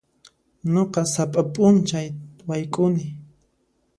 Nuqa sapa p'unchay wayk'uni.